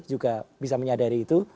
juga bisa menyadari itu